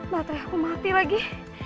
baterai aku mati lagi